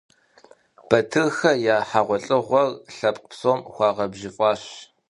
Батырхэ я хьэгъуэлӀыгъуэр лъэпкъ псом хуагъэбжьыфӀащ.